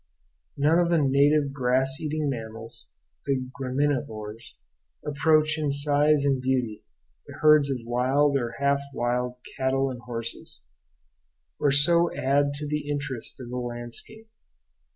None of the native grass eating mammals, the graminivores, approach in size and beauty the herds of wild or half wild cattle and horses, or so add to the interest of the landscape.